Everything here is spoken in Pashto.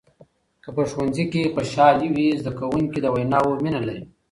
که په ښوونځي کې خوشحالي وي، زده کوونکي د ویناوو مینه لري.